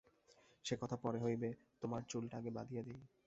সে কথা পরে হইবে, তোমার চুলটা আগে বাঁধিয়া দিই।